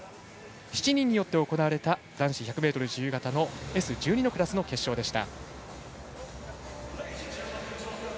７人によって争われた男子１００ｍ自由形Ｓ１２のクラスでした。